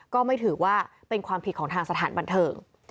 ก็ไม่ถือว่าเป็นความผิดของทางสถานบันเทิง